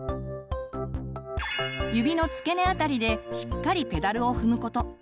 指の付け根あたりでしっかりペダルを踏むこと。